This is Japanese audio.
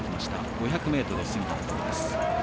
５００ｍ過ぎたところ。